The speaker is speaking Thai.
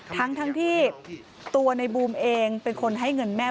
ทั้งที่ตัวในบูมเองเป็นคนให้เงินแม่